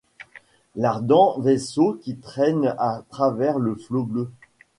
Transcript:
L’ardent vaisseau qui traîne à travers le flot bleu